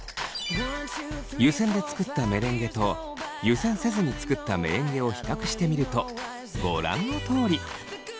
湯せんで作ったメレンゲと湯せんせずに作ったメレンゲを比較してみるとご覧のとおり。